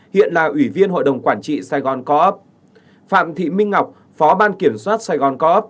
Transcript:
hiện là ủy viên hội đồng quản trị sài gòn co op phạm thị minh ngọc phó ban kiểm soát sài gòn co op